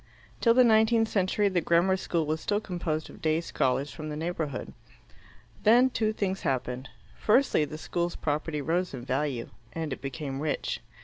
Till the nineteenth century the grammar school was still composed of day scholars from the neighbourhood. Then two things happened. Firstly, the school's property rose in value, and it became rich.